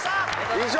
以上。